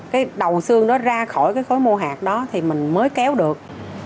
cái đầu xương đó ra khỏi cái khối mô hạt đó thì mình mới kéo được